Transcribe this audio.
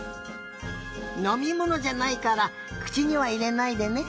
のみものじゃないからくちにはいれないでね。